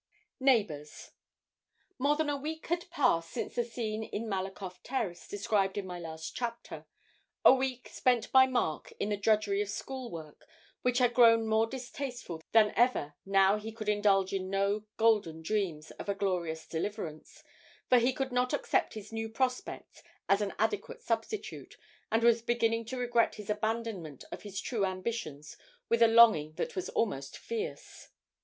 NEIGHBOURS. More than a week had passed since the scene in Malakoff Terrace described in my last chapter a week spent by Mark in the drudgery of school work, which had grown more distasteful than ever now he could indulge in no golden dreams of a glorious deliverance; for he could not accept his new prospects as an adequate substitute, and was beginning to regret his abandonment of his true ambitions with a longing that was almost fierce.